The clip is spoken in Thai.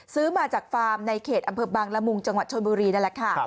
ซื้อมาจากฟาร์มในเขตอำเภอบางละมุงจังหวัดชนบุรีนั่นแหละค่ะ